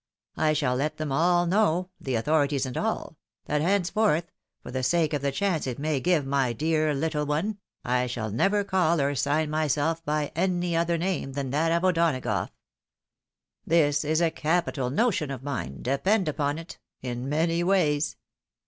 I shall let them all know — the authorities and all — that hence forth, for the sake of the chance it may give my dear httle one, I shall never call or sign myself by any other name than that of O'Donagough. TMs is a capital notion of mine, depend upon it, in many ways."